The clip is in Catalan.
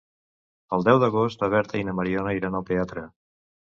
El deu d'agost na Berta i na Mariona iran al teatre.